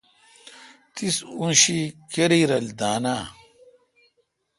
تیس اوں شی کیرای رل دان آں